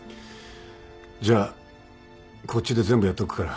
じゃあこっちで全部やっとくから。